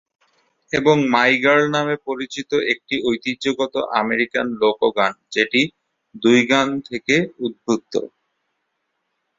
এবং "my girl" নামে পরিচিত, একটি ঐতিহ্যগত আমেরিকান লোক গান, যেটি দুটি গান থেকে উদ্ভূত।